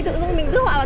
tao điên lắm mày bỏ ra